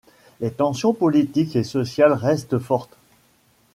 Les tensions politiques et sociales restent fortes.